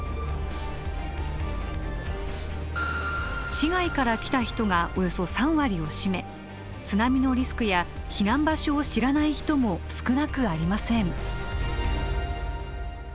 市外から来た人がおよそ３割を占め津波のリスクや避難場所を知らない人も少なくありません。